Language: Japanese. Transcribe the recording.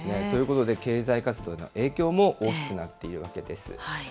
ということで、経済活動への影響も大きくなっているわけです。